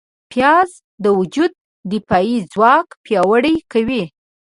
پیاز د وجود دفاعي ځواک پیاوړی کوي